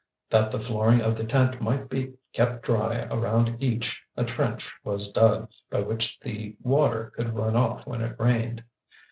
That the flooring of the tent might be kept dry around each a trench was dug, by which the water could run off when it rained.